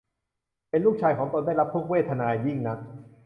เห็นลูกชายของตนได้รับทุกขเวทนายิ่งนัก